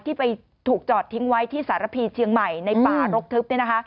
ที่ไปถูกจอดทิ้งไว้ที่สารพีเชียงใหม่ในป่ารกทึบ